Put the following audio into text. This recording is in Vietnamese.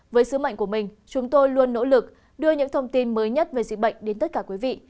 với sứ mệnh của mình chúng tôi luôn nỗ lực đưa những thông tin mới nhất về dịch bệnh đến tất cả quý vị